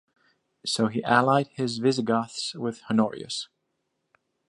So he allied his Visigoths with Honorius.